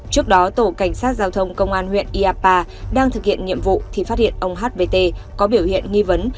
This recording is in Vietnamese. trước đó tổ cảnh sát giao thông công an huyện iapa đang thực hiện nhiệm vụ thì phát hiện ông hbt có biểu hiện nghi vấn